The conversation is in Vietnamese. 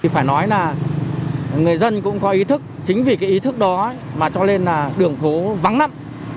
phải nói là người dân cũng có ý thức chính vì cái ý thức đó mà cho lên là đường phố vắng lắm